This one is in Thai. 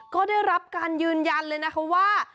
ก็ได้รับการยืนยันเลยนะคะว่า